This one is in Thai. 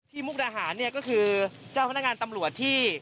ที่มุกระหารก็คือเจ้าพนักงานตำรวจที่